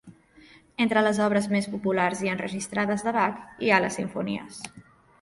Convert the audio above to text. Entre les obres més populars i enregistrades de Bach hi ha les simfonies.